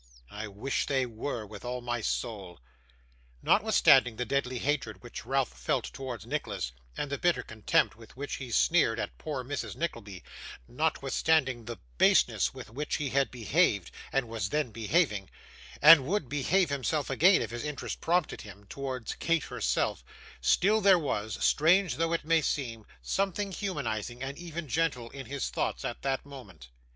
I wish they were, with all my soul.' Notwithstanding the deadly hatred which Ralph felt towards Nicholas, and the bitter contempt with which he sneered at poor Mrs Nickleby notwithstanding the baseness with which he had behaved, and was then behaving, and would behave again if his interest prompted him, towards Kate herself still there was, strange though it may seem, something humanising and even gentle in his thoughts at that moment.